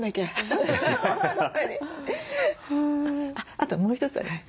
あともう一つあります。